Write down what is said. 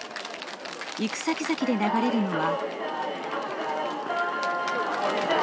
行く先々で流れるのは。